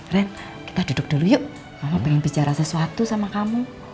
ren kita duduk dulu yuk kamu pengen bicara sesuatu sama kamu